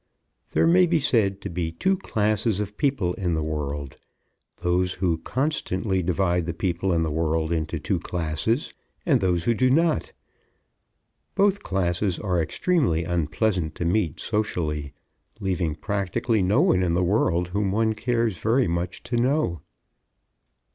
There may be said to be two classes of people in the world; those who constantly divide the people of the world into two classes, and those who do not. Both classes are extremely unpleasant to meet socially, leaving practically no one in the world whom one cares very much to know.